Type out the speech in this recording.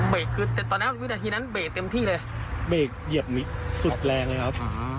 คือแต่ตอนนั้นวินาทีนั้นเบรกเต็มที่เลยเบรกเหยียบสุดแรงเลยครับ